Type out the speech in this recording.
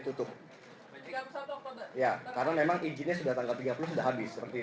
tapi kan memang ada yang beraktivitas di sini